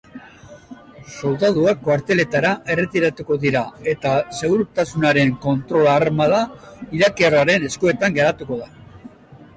Soldaduak kuarteletara erretiratuko dira, eta segurtasunaren kontrola armada irakiarraren eskuetan geratuko da.